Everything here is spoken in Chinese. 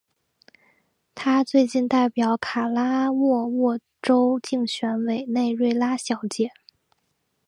她最近代表卡拉沃沃州竞选委内瑞拉小姐。